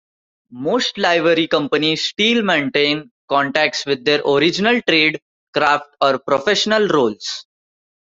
Most livery companies still maintain contacts with their original trade, craft or professional roles.